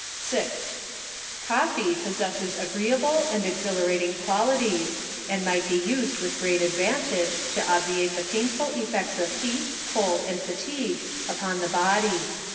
R lfc OX THE EFFECTS Of G. Coffee possesses agreeable and cxhilirating qual Ities, and might be used with great advantage to obviate the painful effects of heat, cold and fatigue, upon the body.